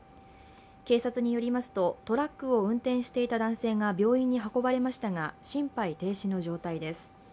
警察によりますと、トラックを運転していた男性が病院に運ばれましたが心肺停止の状態です。